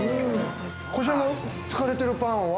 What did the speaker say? ◆こちらの使われてるパンは？